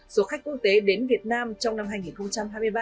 số khách quốc tế đến việt nam trong năm hai nghìn hai mươi ba